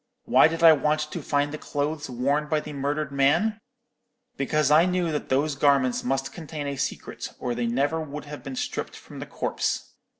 Why did I want to find the clothes worn by the murdered man? Because I knew that those garments must contain a secret, or they never would have been stripped from the corpse.